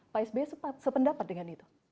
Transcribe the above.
pak sby sependapat dengan itu